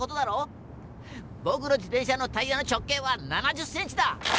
ぼくの自転車のタイヤの直径は７０ｃｍだ！